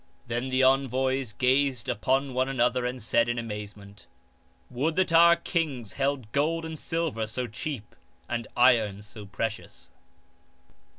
Then the envoys gazed upon one another and said in amazement : 152 BEFORE LEWIS THE PIOUS " Would that our kings held gold and silver so cheap and iron so precious."